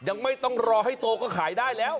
ยังไม่ต้องรอให้โตก็ขายได้แล้ว